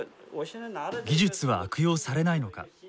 技術は悪用されないのか？